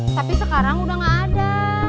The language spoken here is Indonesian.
tapi sekarang udah gak ada